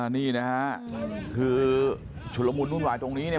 นี่นะฮะคือชุระมุนรุนหวายตรงนี้